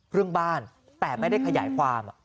เรื่องบ้านแต่ไม่ได้ขยายความ